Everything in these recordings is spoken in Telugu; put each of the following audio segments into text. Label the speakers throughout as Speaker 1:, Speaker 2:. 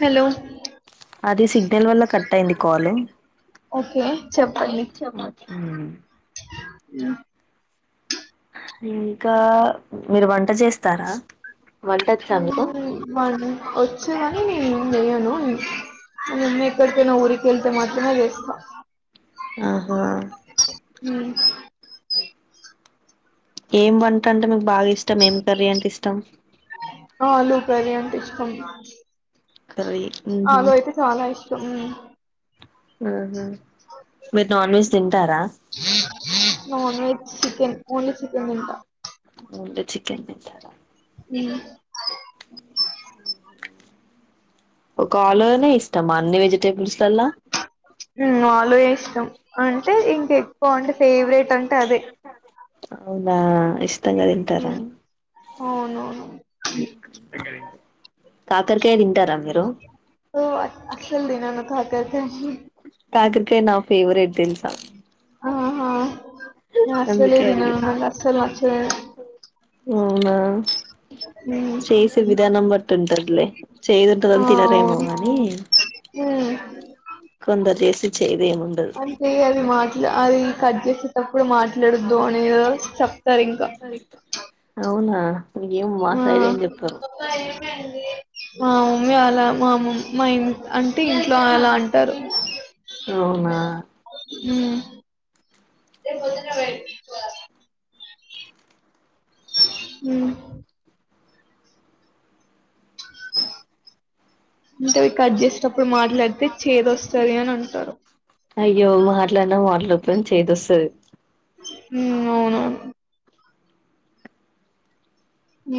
Speaker 1: హలో
Speaker 2: అది సిగ్నల్ వల్ల కట్ అయింది కాల్ ఓకే చెప్పండి
Speaker 1: య
Speaker 2: ఇంకా మీరు వంట చేస్
Speaker 1: ఉహు వం వచ్చుగని నేనేం జేయ్యను మా మమ్మీ ఎక్కడికైనా ఊరికేళ్తే మాత్రమే జెస్తా ఉమ్
Speaker 2: ఏం వంట అంటే మీకు బాగా ఇష్టం ఏం కర్రీ అంటే ఇష్టం
Speaker 1: ఆలు కర్రీ అంటే ఇష్టం
Speaker 2: ఉహు ఉహు
Speaker 1: non veg chicken only chicken తింటా
Speaker 2: ఓన్లీ చికెన్ తింటారా
Speaker 1: ఉమ్
Speaker 2: ఒక ఆలునే ఇష్టమా అన్ని వెజిటేబుల్స్లల్లా
Speaker 1: ఉ ఆలుయే ఇష్టం అంటే ఇంకేక్కువ అంటే ఫేవరెట్ అంటే అదే
Speaker 2: అవునా ఇష్టంగా తింటారా
Speaker 1: అవునవును
Speaker 2: కాకరికాయ తింటారా మీరు కాకరకాయ నా ఫేవరెట్ దేల్సా అందుకే అడిగ అవునా చేసే విధానం బట్టి ఉంటాద్లే చేదుంటదని తినారేమో గానీ కొందర్ జెస్తే చేద్
Speaker 1: అంటే అది మాట్లా అది కట్ జేసేటప్పుడు మాట్లాడద్దు అనేది చెప్
Speaker 2: అవునా ఏమో మా సైడ్ ఏం జేప్పారు
Speaker 1: మా మమ్మీ ఆలా మా మమ్మీ మా ఇం అంటే ఇంట్లో ఆలా అంటారు ఉమ్ [unintelligible] ఉ అంటే అవి కట్ జేస్టప్పుడు మాట్లాడితే చేదోస్తది అని అంటారు
Speaker 2: అయ్యో మాట్లాన్న మాట్లడక్పోయిన చేదొస్తది
Speaker 1: ఉమ్ అవునవును ఉ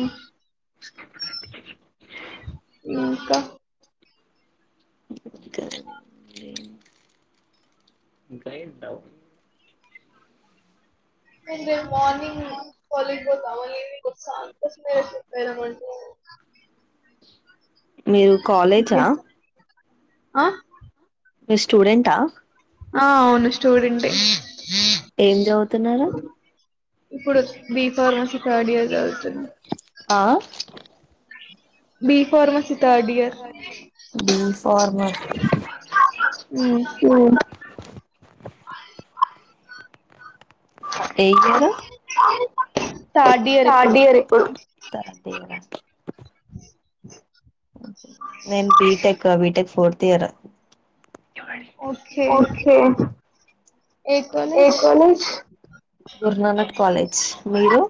Speaker 2: [unintelligible]
Speaker 1: ఇంకా
Speaker 2: [unintelligible] ఇంకా ఇంటావ్
Speaker 1: నేను రేపు మార్నింగ్ కాలేజ్ పోతా మళ్ళీ ఈవెనింగ్ ఒస్తా అందుకోసమే చెప్పమంట
Speaker 2: మీరు కాలేజా
Speaker 1: ఆ
Speaker 2: మీర్ స్టూడెట్ అ
Speaker 1: అ అవును స్టూడేంటే ఇప్పుడు బి ఫార్మసీ థర్డ్ ఇయర్ చదువుతున్నా బీ ఫార్మసి థర్డ్ ఇయర్ ఉమ్
Speaker 2: ఏ ఇయరు థర్డ్ ఇయర్ ఇప్పుడు నేన్ బిటెక్ బిటెక్ ఫోర్త్ ఇయరే ఓకే ఏ కాలేజ్ గురనాధ్ కాలేజ్ మీరు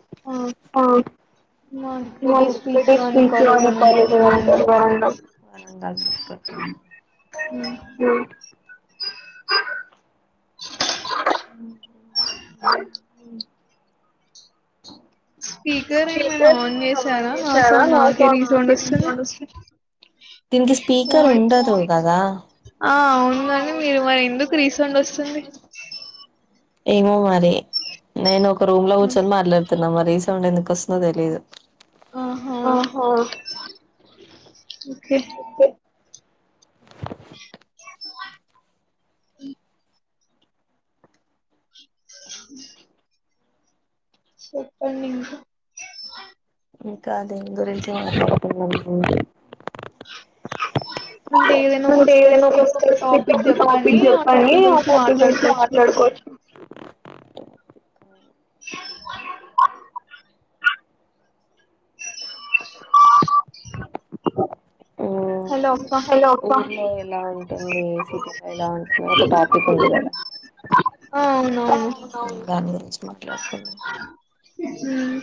Speaker 2: అవు బ్రిటిష్ వికోర్ కాలేజ్ వేడం [unintelligible]
Speaker 1: ఉమ్
Speaker 2: స్పీకర్ ఏమైనా ఆన్ చేశారా వాయిస్ నాట్ దీనికి స్పీకర్ ఉండదు కదా
Speaker 1: ఆ అవునండి మీరు మరి ఎందుకు రీసౌండ్ వస్తుంది
Speaker 2: ఏమో మరి నేను ఒక రూమ్ లో కూర్చొని మాట్లాడుతున్నామా రీసండ్ ఎందుకు వస్తుంద్ తెలీదు
Speaker 1: ఆహా ఒకే చెప్పండింకా
Speaker 2: ఇకా దేని గురించో మాట్లాడ టుడే ఒక స్పెసిఫిక్ టాపిక్ చెప్పండి ఆ టాపిక్ గురించి మాట్లాడుకోవచ్చు
Speaker 1: హలో
Speaker 2: హలో అక్క దీనిలో ఇలా ఉంటుంది సిసిక్కడ ఒక టాపిక్ ఉంది కదా
Speaker 1: ఆ అవునవును ఉమ్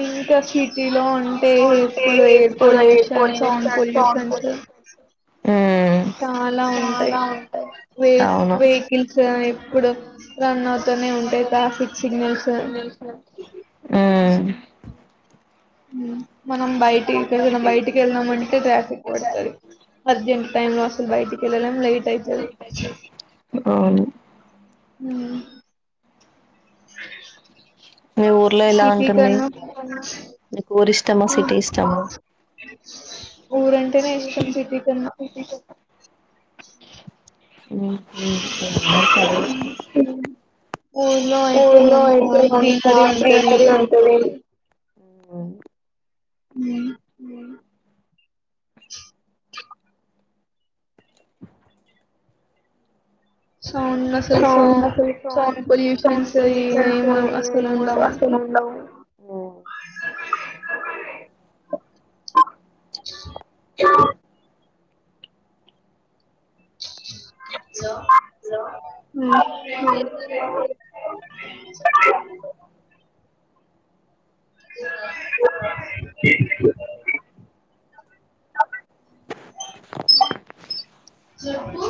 Speaker 1: ఇంతస్పిక్ సిటీలో ఉంటే ఎప్పుడు ఎయిర్ పొల్యూషన్ సౌండ్ పొల్యూషన్స్ చాలా ఉంటయ్ వె వెహికిల్స్ ఎప్పుడు రన్ అవుతూనే ఉంటయి ట్రాఫిక్ సిగ్నల్స్
Speaker 2: మ్మ్
Speaker 1: ఉమ్ మనం బయటి మం బయటికి వెల్దామంటే ట్రాఫిక్ పడుతది అర్జెంట్ టైంమ్ లో అసలు బయటికెల్లలేమ్ లేట్ అయితది
Speaker 2: అవును
Speaker 1: ఉమ్ సిటీకన్నా ఊరంటెనే ఇష్టం సిటీ కన్నా
Speaker 2: ఊర్లో అయితే మంచిగా గ్రీనరీ ఉంటది సౌండ్ అసలు సో సౌండ్ పొల్యూషన్స్ అసలు ఉండవ్ అవును
Speaker 1: హలో మ్ చెప్పు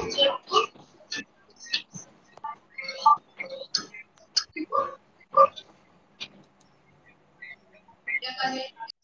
Speaker 1: వీడియో కాల్ చెయ్ నాక్